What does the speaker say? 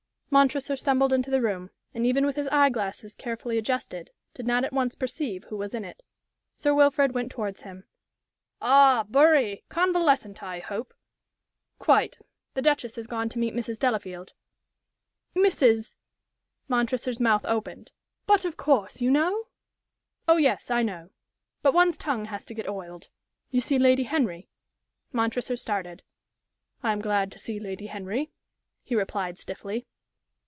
Montresor stumbled into the room, and even with his eye glasses carefully adjusted, did not at once perceive who was in it. Sir Wilfrid went towards him. "Ah, Bury! Convalescent, I hope?" "Quite. The Duchess has gone to meet Mrs. Delafield." "Mrs. ?" Montresor's mouth opened. "But, of course, you know?" "Oh yes, I know. But one's tongue has to get oiled. You see Lady Henry?" Montresor started. "I am glad to see Lady Henry," he replied, stiffly.